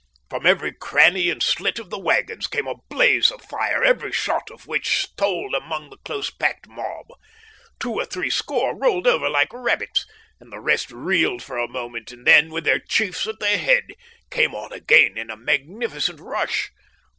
From every cranny and slit of the waggons came a blaze of fire, every shot of which told among the close packed mob. Two or three score rolled over like rabbits and the rest reeled for a moment, and then, with their chiefs at their head, came on again in a magnificent rush.